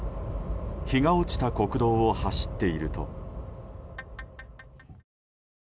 日が落ちた国道を走っていると。